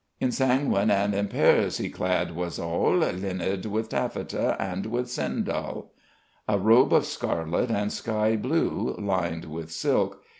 "In sangwyn and in pers he clad was al, Lyned with taffata and with sendal." A robe of scarlet and sky blue, lined with silk.